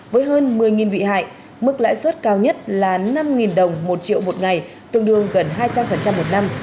với hơn một mươi vị hại mức lãi suất cao nhất là năm đồng một triệu một ngày tương đương gần hai trăm linh một năm